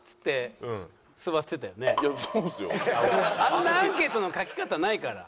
あんなアンケートの書き方ないから。